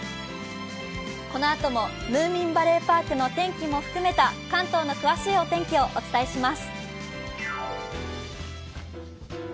このあともムーミンバレーパークの天気も含めた関東の詳しいお天気をお伝えします。